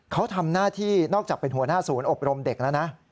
เขาทำหน้าที่นอกจากเป็นหัวหน้าศูนย์อบรมเด็กแล้วนะ